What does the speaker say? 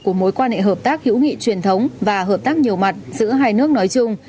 của mối quan hệ hợp tác hữu nghị truyền thống và hợp tác nhiều mặt giữa hai nước nói chung